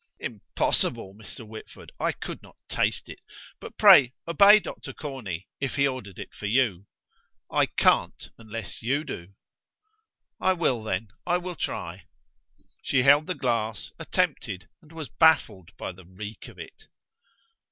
"Impossible, Mr. Whitford: I could not taste it. But pray, obey Dr. Corney, if he ordered it for you." "I can't, unless you do." "I will, then: I will try." She held the glass, attempted, and was baffled by the reek of it.